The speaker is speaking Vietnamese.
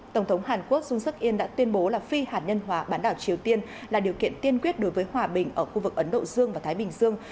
tổng thống hàn quốc jun suk in đã tuyên bố là phi hạt nhân hóa bán đảo triều tiên là điều kiện tiên quyết đối với hòa bình ở khu vực ấn độ dương và thái bình dương